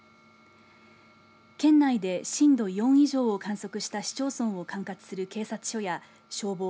県内で震度４以上を観測した市町村を管轄する警察署や消防